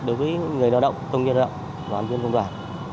đối với người lao động công nhân lao động doanh nghiệp công đoàn